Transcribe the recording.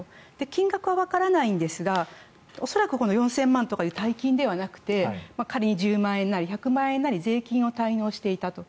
金額はわからないんですが恐らく４０００万という大金ではなくて仮に１０万円なり１００万円なり税金を滞納していたと。